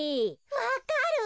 わかる？